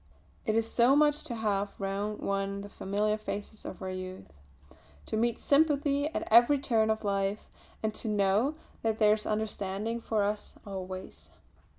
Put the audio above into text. It is so much to have round one the familiar faces of our youth; to meet sympathy at every turn of life, and to know that there is understanding for us always.